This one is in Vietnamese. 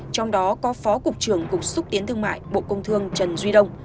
trong đó có phó cục trưởng cục xúc tiến thương mại bộ công thương trần duy đông